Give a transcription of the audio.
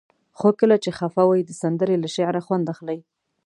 خو کله چې خفه وئ د سندرې له شعره خوند اخلئ.